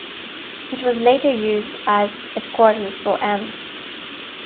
It was later used as headquarters for Em.